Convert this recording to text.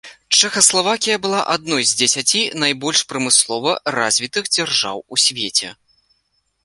Чэхаславакія была адной з дзесяці найбольш прамыслова развітых дзяржаў у свеце.